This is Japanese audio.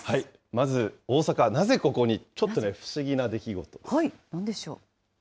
まず、大阪、なぜここに、ちょっとね、不思議な出来事です。